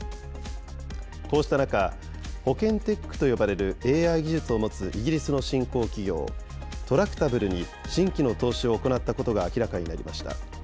こうした中、保険テックと呼ばれるＡＩ技術を持つイギリスの新興企業、トラクタブルに新規の投資を行ったことが明らかになりました。